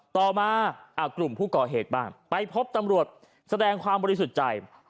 ต่อมากลุ่มผู้ก่อเหตุบ้างไปพบตำรวจแสดงความบริสุทธิ์ใจ